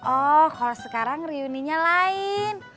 oh kalau sekarang riuninya lain